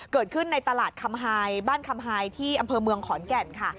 เกิดขึ้นในตลาดคำไฮบ้านคำไฮที่อำเภอเมืองขอนแก่นค่ะ